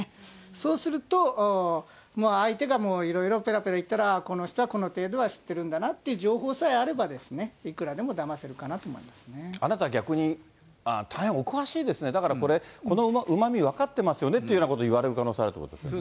そうすると、もう相手がいろいろぺらぺら言ったら、ああ、この人はこの程度は知ってるんだなっていう情報さえあれば、いくらでもだませるかなあなた、逆に大変お詳しいですね、だからこれ、このうまみ、分かってますよねっていうことを言われる可能性があるっていうことですね。